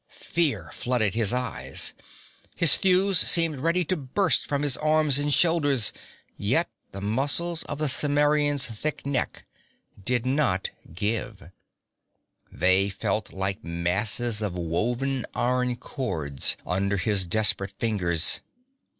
Fear flooded his eyes. His thews seemed ready to burst from his arms and shoulders, yet the muscles of the Cimmerian's thick neck did not give; they felt like masses of woven iron cords under his desperate fingers.